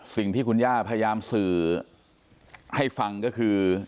สิ่งที่คุณย่าพยายามสื่อให้ฟังก็คือ